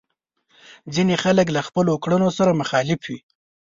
ځينې خلک له خپلو کړنو سره مخالف وي.